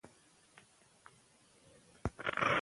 سکرینونه د تمرکز مخه نیسي.